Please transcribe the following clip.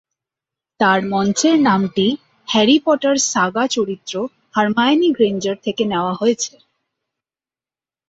তার মঞ্চের নামটি "হ্যারি পটার" সাগা চরিত্র হারমায়োনি গ্রেঞ্জার থেকে নেয়া হয়েছে।